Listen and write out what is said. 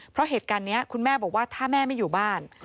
เพราะเหตุการณ์นี้คุณแม่บอกว่าถ้าแม่ไม่อยู่บ้าน